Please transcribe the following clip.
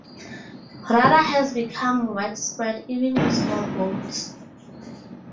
Radar has become widespread even in small boats.